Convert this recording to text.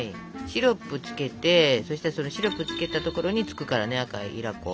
シロップつけてそしたらそのシロップつけたところにつくからね赤いいら粉。